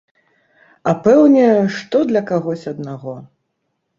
А пэўне, што для кагось аднаго!